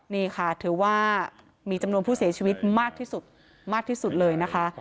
นี่ค่ะถือว่ามีจำนวนผู้เสียชีวิตมากที่สุดมากที่สุดเลยนะคะ